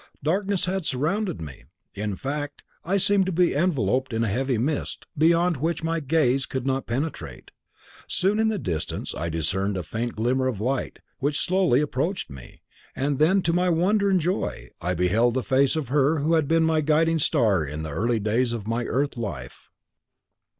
Darkness had surrounded me. In fact, I seemed to be enveloped in a heavy mist, beyond which my gaze could not penetrate. Soon in the distance I discerned a faint glimmer of light, which slowly approached me, and then, to my wonder and joy, I beheld the face of her who had been my guiding star in the early days of my earth life."